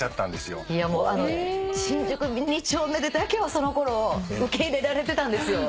新宿二丁目でだけはそのころ受け入れられてたんですよ。